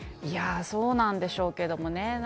そうなんでしょうけどもね